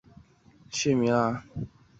为醛糖的醛基被氧化为羧基而成。